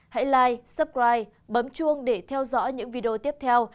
hãy like subscribe bấm chuông để theo dõi những video tiếp theo